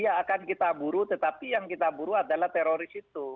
ya akan kita buru tetapi yang kita buru adalah teroris itu